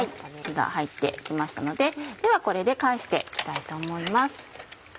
火が入って来ましたのでではこれで返して行きたいと思います。